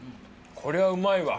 これはうまいわ。